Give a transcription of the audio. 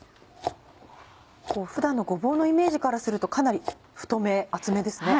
普段のごぼうのイメージからするとかなり太め厚めですね。